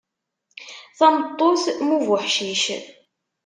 Tameṭṭut mm ubuḥcic.